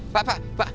pak pak pak